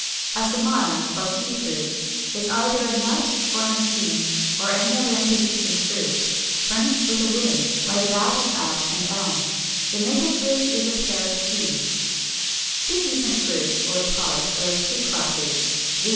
] 365. =A Samara, or Key fruit=, is either a nut or an akene, or any other indehiscent fruit, furnished with a wing, like that of Ash (Fig. 389), and Elm (Fig. 390). The Maple fruit is a pair of keys (Fig. 391). 366. Dehiscent Fruits, or Pods, are of two classes, viz.